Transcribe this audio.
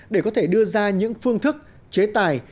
để có thể đưa ra những phương thức chế tài